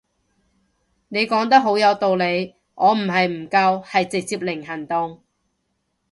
你講得好有道理，我唔係唔夠係直頭零行動